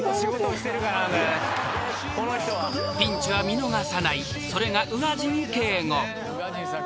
［ピンチは見逃さない